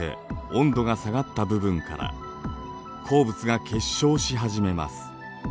温度が下がった部分から鉱物が結晶し始めます。